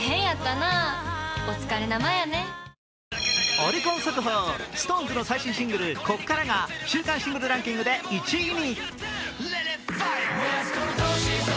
オリコン速報、ＳｉｘＴＯＮＥＳの最新シングル「こっから」が週間シングルランキングで１位に。